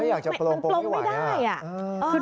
มันปลงไม่ได้